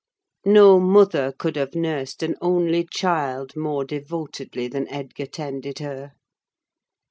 No mother could have nursed an only child more devotedly than Edgar tended her.